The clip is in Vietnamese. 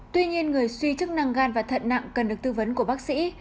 tuy nhiên người suy chức năng gan và thận nặng cần được tư vấn của bác sĩ